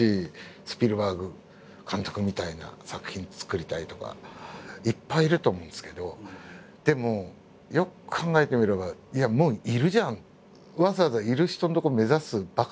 スピルバーグ監督みたいな作品作りたいとかいっぱいいると思うんですけどでもよく考えてみればみたいに逆に捉えれば。